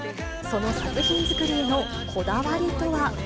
その作品作りへのこだわりとは。